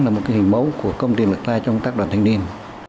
là một hình mấu của công ty điện lực gia lai trong các đoàn thanh niên